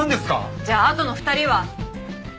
じゃああとの２人は？